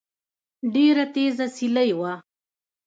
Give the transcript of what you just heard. ډېره تېزه سيلۍ وه